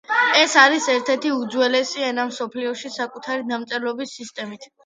ეს არის ერთ-ერთი უძველესი ენა მსოფლიოში საკუთარი დამწერლობის სისტემით.